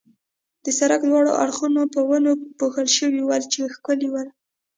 د سړک دواړه اړخونه په ونو پوښل شوي ول، چې ښکلي ول.